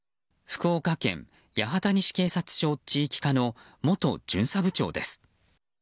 福岡県八幡西警察署地域課の元巡査部長です。